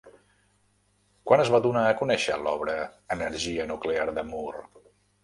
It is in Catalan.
Quan es va donar a conèixer l'obra Energia Nuclear de Moore?